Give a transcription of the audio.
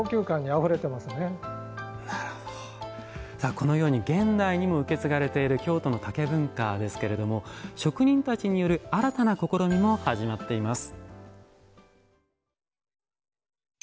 このように現代にも受け継がれている京都の竹文化ですけれども職人たちによる新たな試みも始まっています。